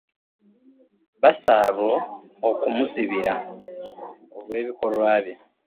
Baasalwo okumuzibira olw'ebikolwa bye